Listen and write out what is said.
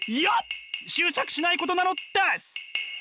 執着しないことなのです！